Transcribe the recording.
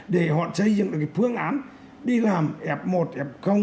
để họ xây dựng được cái phương án đi làm f một f